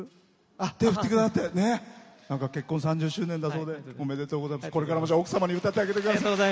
結婚３０周年だそうでおめでとうございます。